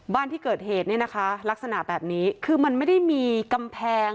บ้านที่เกิดเหตุเนี่ยนะคะลักษณะแบบนี้คือมันไม่ได้มีกำแพง